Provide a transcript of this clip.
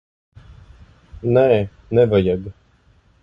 Nē, nevajag.